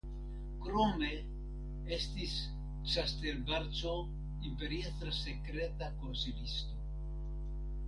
Krome estis Castelbarco imperiestra sekreta konsilisto.